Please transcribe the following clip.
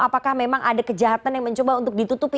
apakah memang ada kejahatan yang mencoba untuk ditutupi